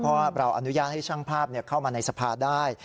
เพราะว่าเราอนุญาตให้ช่างภาพเข้ามาในสภาได้